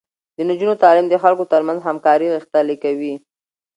د نجونو تعليم د خلکو ترمنځ همکاري غښتلې کوي.